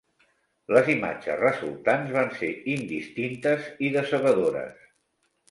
Les imatges resultants van ser indistintes i decebedores.